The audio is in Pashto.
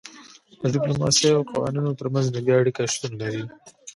د ډیپلوماسي او قوانینو ترمنځ نږدې اړیکه شتون لري